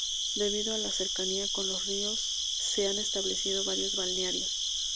Debido a la cercanía con los ríos, se han establecido varios balnearios.